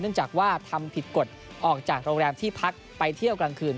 จากว่าทำผิดกฎออกจากโรงแรมที่พักไปเที่ยวกลางคืน